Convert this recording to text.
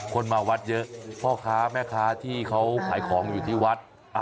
คนมาวัดเยอะพ่อค้าแม่ค้าที่เขาขายของอยู่ที่วัด